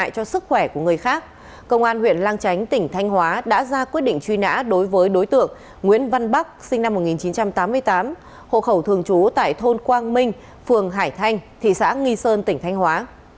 công an huyện lang chánh tỉnh thanh hóa đã ra quyết định truy nã đối với đối tượng nguyễn văn bắc sinh năm một nghìn chín trăm tám mươi tám hộ khẩu thường trú tại thôn quang minh phường hải thanh thị xã nghi sơn tỉnh thanh hóa